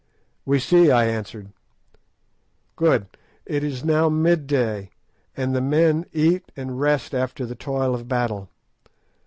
"We see," I answered. "Good; it is now mid day, and the men eat and rest after the toil of battle.